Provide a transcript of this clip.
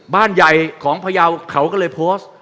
บ้านใหญ่ของพยาวเขาก็เลยโพสต์